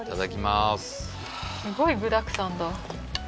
すごい具だくさんだ。